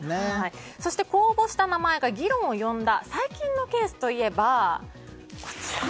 公募した名前が議論を呼んだ最近のケースといえば、こちら。